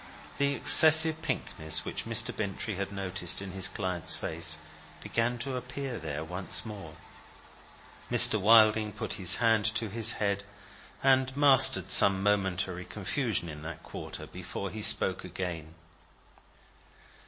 The excessive pinkness which Mr. Bintrey had noticed in his client's face began to appear there once more. Mr. Wilding put his hand to his head, and mastered some momentary confusion in that quarter, before he spoke again.